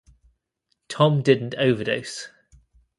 Tom didn't overdose.